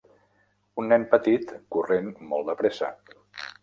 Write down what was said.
Un nen petit corrent molt de pressa.